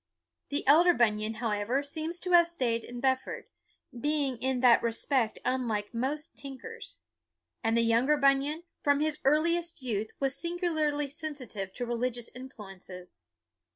The elder Bunyan, however, seems to have stayed in Bedford; being in that respect unlike most tinkers. And the younger Bunyan, from his earliest youth, was singularly sensitive to religious influences.